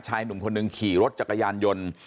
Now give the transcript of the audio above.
หนุ่มคนหนึ่งขี่รถจักรยานยนต์